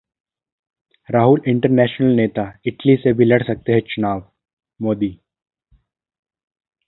Rahul international नेता, Italy से भी लड़ सकते हैं चुनाव: मोदी